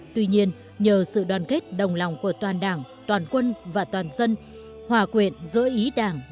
tuy nhiên nhờ sự đoàn kết đồng lòng của toàn đảng toàn quân và toàn dân hòa quyện giữa ý đảng và kinh tế